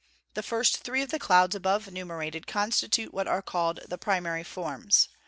The first three of the clouds above enumerated constitute what are called the primary forms.